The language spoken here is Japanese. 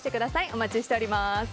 お待ちしております。